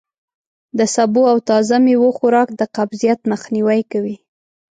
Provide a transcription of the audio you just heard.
د سبو او تازه میوو خوراک د قبضیت مخنوی کوي.